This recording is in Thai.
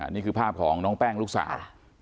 นี่คือภาพของน้องแป้งลูกสาว